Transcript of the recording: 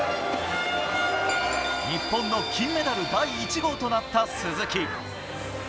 日本の金メダル第１号となった鈴木。